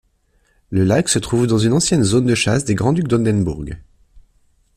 Le lac se trouve dans une ancienne zone de chasse des grands-ducs d'Oldenbourg.